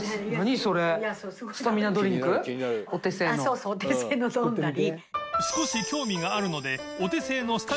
そうそうお手製の飲んだり。